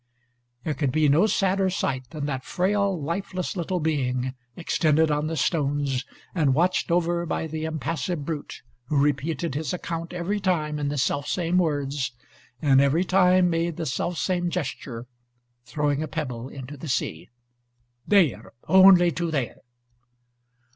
There could be no sadder sight than that frail, lifeless little being, extended on the stones, and watched over by the impassive brute who repeated his account every time in the selfsame words, and every time made the selfsame gesture, throwing a pebble into the sea: "There; only to there."